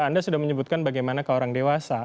anda sudah menyebutkan bagaimana ke orang dewasa